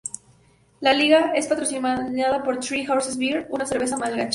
La liga es patrocinada por "Three Horses Beer", una cerveza malgache.